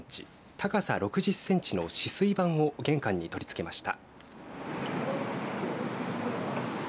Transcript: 高さ６０センチの止水板を玄関に取り付けました。